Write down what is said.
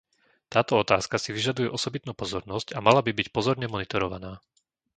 Táto otázka si vyžaduje osobitnú pozornosť a mala by byť pozorne monitorovaná.